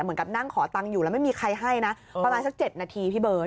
เหมือนกับนั่งขอตังค์อยู่แล้วไม่มีใครให้นะประมาณสัก๗นาทีพี่เบิร์